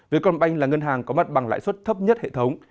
về còn banh là ngân hàng có mặt bằng lãi suất thấp nhất hệ thống